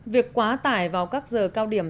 việc quá tải vào các giờ cao điểm